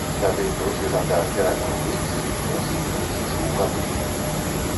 Тады другі жандар пераняў лейцы, трохі прыцішыў кабылу.